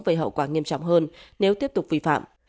gây hậu quả nghiêm trọng hơn nếu tiếp tục vi phạm